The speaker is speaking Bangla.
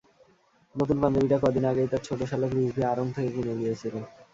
নতুন পাঞ্জাবিটা কদিন আগেই তার ছোট শ্যালক রিজভি আড়ং থেকে কিনে দিয়েছিল।